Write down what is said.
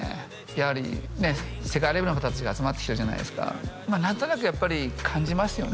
やはりね世界レベルの方達が集まってきてるじゃないですか何となくやっぱり感じますよね